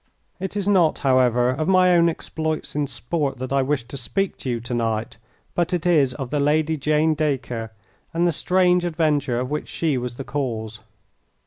It is not, however, of my own exploits in sport that I wish to speak to you to night, but it is of the Lady Jane Dacre and the strange adventure of which she was the cause.